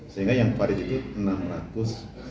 sehingga yang valid itu enam ratus dua